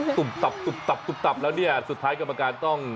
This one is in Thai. ตุบตับตุบตับตุบตับแล้วเนี่ยสุดท้ายกรรมการต้อง